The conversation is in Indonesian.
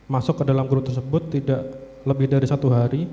masuk ke dalam grup tersebut tidak lebih dari satu hari